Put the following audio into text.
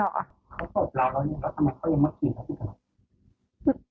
เขาจบเรียกแล้วแล้วทำไมเขายังบัดกลีง